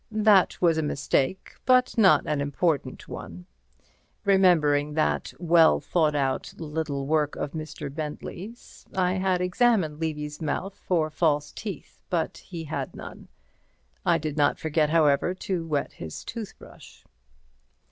That was a mistake, but not an important one. Remembering that well thought out little work of Mr. Bentley's, I had examined Levy's mouth for false teeth, but he had none. I did not forget, however, to wet his toothbrush.